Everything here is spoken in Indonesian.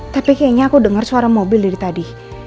tapi kayaknya aku dengar suara mobil dari tadi